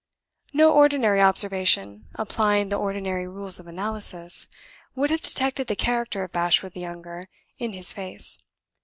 No ordinary observation, applying the ordinary rules of analysis, would have detected the character of Bashwood the younger in his face.